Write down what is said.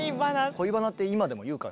「恋バナ」って今でも言うかな？